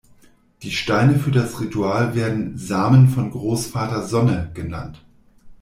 Die Steine für das Ritual werden „Samen von Großvater Sonne“ genannt.